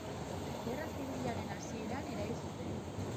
Gerra Zibilaren hasieran erail zuten.